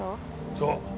そう。